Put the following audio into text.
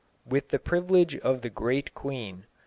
With the privilege of the great Queen.